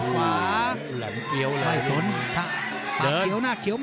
ลำเชี้ยวเลย